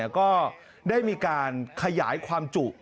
ก็ได้มีการขยายความจุ